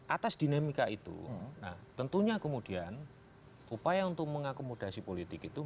atas dinamika itu nah tentunya kemudian upaya untuk mengakomodasi politik itu